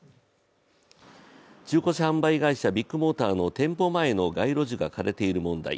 中古車販売会社ビッグモーターの店舗前の街路樹が枯れている問題。